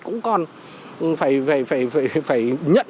cũng còn phải nhận